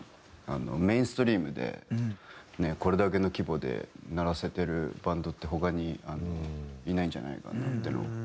これだけの規模で鳴らせてるバンドって他にいないんじゃないかなっていう。